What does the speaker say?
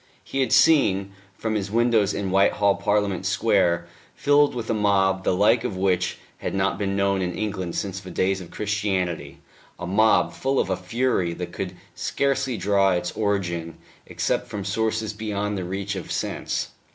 He had seen, from his windows in Whitehall, Parliament Square filled with a mob the like of which had not been known in England since the days of Christianity a mob full of a fury that could scarcely draw its origin except from sources beyond the reach of sense.